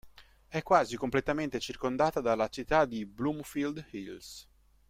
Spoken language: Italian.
È quasi completamente circondata dalla città di Bloomfield Hills.